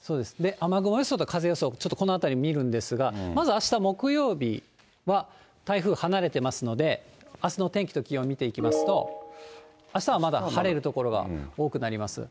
雨雲予想と風予想、ちょっとこの辺り見るんですが、まず、あした木曜日は台風離れていますので、あすの天気と気温、見ていきますと、あしたはまだ晴れる所が多くなります。